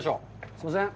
すいません。